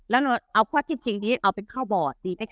แล้วเอาความคิดจริงนี้เอาเป็นข้าวบอร์ดดีไหมคะ